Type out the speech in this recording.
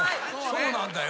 そうなんだよ。